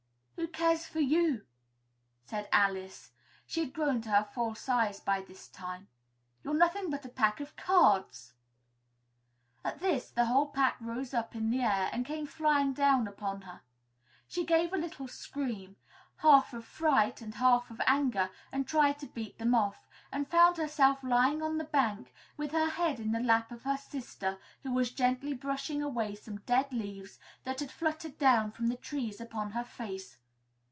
"Who cares for you?" said Alice (she had grown to her full size by this time). "You're nothing but a pack of cards!" At this, the whole pack rose up in the air and came flying down upon her; she gave a little scream, half of fright and half of anger, and tried to beat them off, and found herself lying on the bank, with her head in the lap of her sister, who was gently brushing away some dead leaves that had fluttered down from the trees upon her face.